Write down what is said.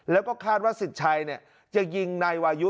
แล้วก็คาดว่าสิทธิ์ชัยจะยิงนายวายุ